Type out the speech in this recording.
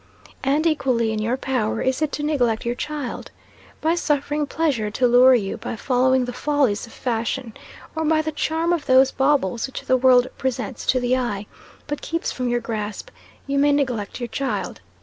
And equally in your power is it to neglect your child. By suffering pleasure to lure you by following the follies of fashion, or by the charm of those baubles which the world presents to the eye, but keeps from your grasp you may neglect your child.